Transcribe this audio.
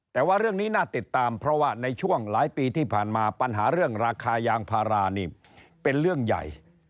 แต่ว่าเรื่องนี้น่าติดตามเพราะว่าในช่วงหลายปีที่ผ่านมาปัญหาเรื่องราคายางพารานี่เป็นเรื่องใหญ่